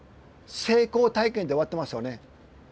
成功体験で終わってますよね。